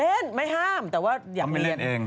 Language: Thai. เล่นไม่ห้ามแต่ว่าอยากเล่น